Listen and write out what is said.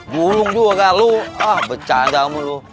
bulung juga gak lu ah becanda kamu lu